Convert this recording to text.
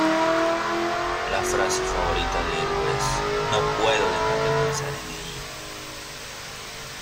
La frase favorita de Eru es "¡No puedo dejar de pensar en ello!